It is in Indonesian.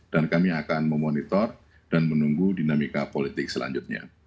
dan kami akan memonitor dan menunggu dinamika politik selanjutnya